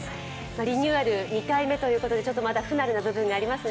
リニューアル２回目ということでまだ不慣れな部分がありますね。